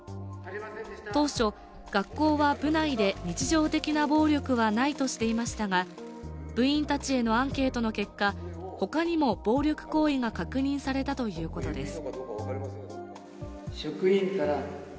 当初、学校は部内で日常的な暴力はないとしていましたが部員たちへのアンケートの結果、他にも暴力行為が確認されたということです。